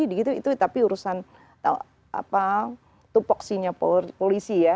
tapi itu urusan tupoksinya polisi ya